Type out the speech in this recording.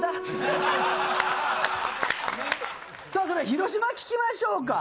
さあそれでは広島聞きましょうか。